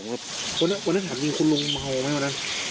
เยี่ยมวันนั้นถามถึงคุณลงเมาไหม